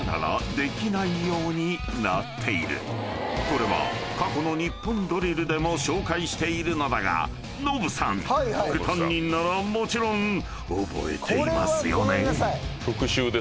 ［これは過去の『ニッポンドリル』でも紹介しているのだがノブさん副担任ならもちろん覚えていますよね？］